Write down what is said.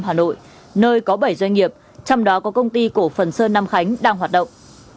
hà nội nơi có bảy doanh nghiệp trong đó có công ty cổ phần sơn nam khánh đang hoạt động